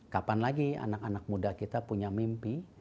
kapan lagi anak anak muda kita punya mimpi